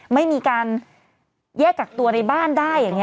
ไม่มีการแยกกักตัวในบ้านได้อย่างนี้